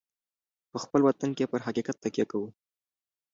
په خپل وطن کې پر حقیقت تکیه کوو.